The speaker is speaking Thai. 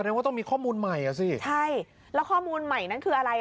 ว่าต้องมีข้อมูลใหม่อ่ะสิใช่แล้วข้อมูลใหม่นั้นคืออะไร